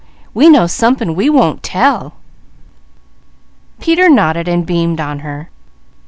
We know somepin' we won't tell!" Peter nodded, beaming on her.